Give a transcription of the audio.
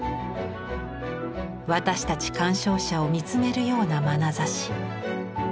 私たち鑑賞者を見つめるようなまなざし。